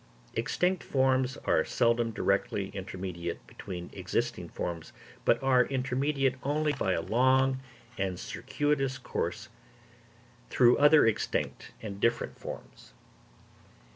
Extinct forms are seldom directly intermediate between existing forms; but are intermediate only by a long and circuitous course through other extinct and different forms.